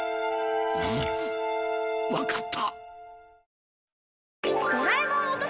うんわかった！